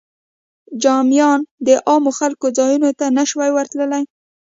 جذامیان د عامو خلکو ځایونو ته نه شوای ورتلی.